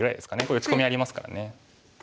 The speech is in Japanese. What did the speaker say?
これ打ち込みありますからね。